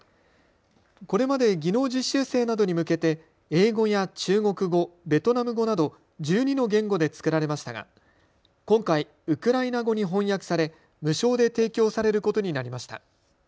これまで技能実習生などに向けて英語や中国語、ベトナム語など１２の言語で作られましたが今回ウクライナ語に翻訳され無償で提供されることになりました。